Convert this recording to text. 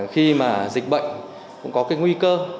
khi mà dịch bệnh cũng có cái nguy cơ